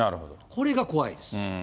これが怖いです。